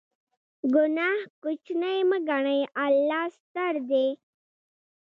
ګناه کوچنۍ مه ګڼئ، الله ستر دی.